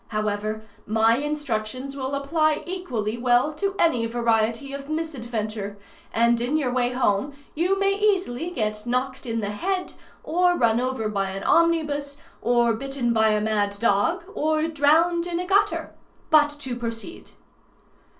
However, my instructions will apply equally well to any variety of misadventure, and in your way home you may easily get knocked in the head, or run over by an omnibus, or bitten by a mad dog, or drowned in a gutter. But to proceed.